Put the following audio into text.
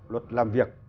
luật làm việc